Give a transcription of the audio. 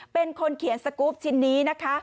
เป็นคนเขียนสกรูปชิ้นนี้นะคะ